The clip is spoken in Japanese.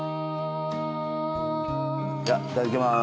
じゃあいただきます。